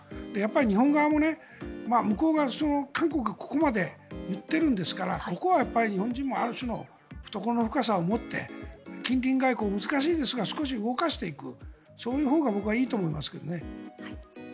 日本側も向こうが、韓国がここまで言ってるんですからここは日本人もある種の懐の深さを持って近隣外交難しいですが少し動かしていくそういうほうが僕はいいと思いますけどね。